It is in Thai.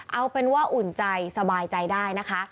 เอาเป็นว่าอุ่นใจสบายใจได้นะคะ